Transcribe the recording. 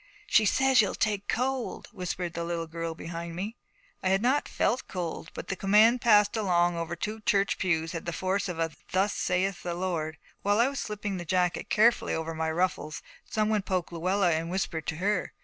She says you'll take cold,' whispered the little girl behind me. I had not felt cold, but the command passed along over two church pews had the force of a Thus saith the Lord. While I was slipping the jacket carefully over my ruffles, some one poked Luella and whispered to her.